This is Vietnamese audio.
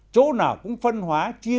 chỗ nào cũng phân hóa chi tiết